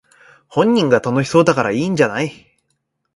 本人が楽しそうだからいいんじゃない